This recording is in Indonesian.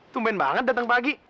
tumben banget datang pagi